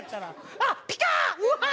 あっピカッ！